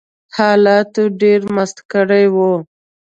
حالاتو ډېر مست کړي وو